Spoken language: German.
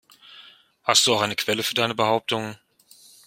Hast du auch eine Quelle für deine Behauptungen?